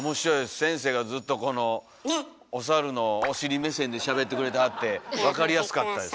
先生がずっとお猿のお尻目線でしゃべってくれてはって分かりやすかったです。